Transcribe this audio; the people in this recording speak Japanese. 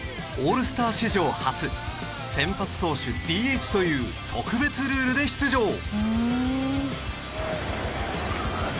オールスター史上初先発投手ＤＨという特別ルールで出場！